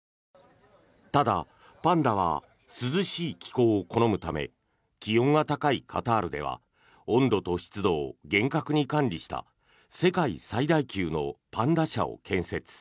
ただ、パンダは涼しい気候を好むため気温が高いカタールでは温度と湿度を厳格に管理した世界最大級のパンダ舎を建設。